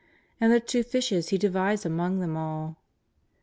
And the two fishes He divides among them all.